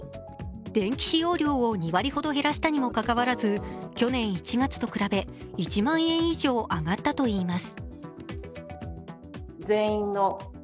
電気使用量を２割ほど減らしたにもかかわらず、去年１月と比べ、１万円以上上がったと言います。